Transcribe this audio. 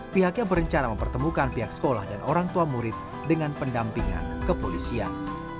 pihaknya berencana mempertemukan pihak sekolah dan orang tua murid dengan pendampingan kepolisian